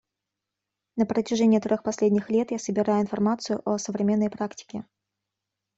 На протяжении трех последних лет я собираю информацию о современной практике.